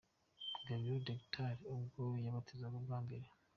Gabiro The Guitar ubwo yabatizwaga bwa mbere.